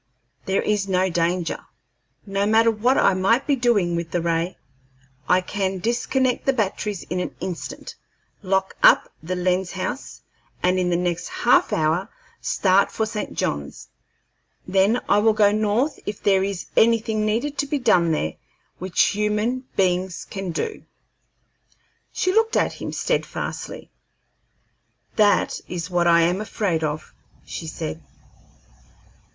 There is no danger. No matter what I might be doing with the ray, I can disconnect the batteries in an instant, lock up the lens house, and in the next half hour start for St. John's. Then I will go North if there is anything needed to be done there which human beings can do." She looked at him steadfastly. "That is what I am afraid of," she said.